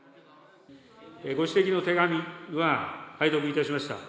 ご指摘の手紙は、拝読いたしました。